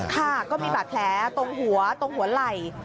ค่ะก็มีบาดแผลตรงหัวไหล่